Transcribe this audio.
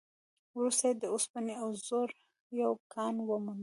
وروسته يې د اوسپنې او زرو يو کان وموند.